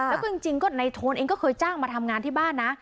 แล้วก็จริงก็ในโทนเองก็เคยจ้างมาทำงานที่บ้านนะ